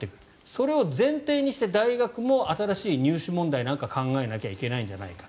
それを前提にして大学も新しい入試問題なんかを考えなきゃいけないんじゃないか。